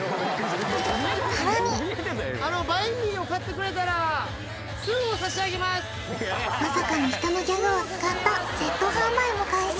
さらにまさかの人のギャグを使ったセット販売も開始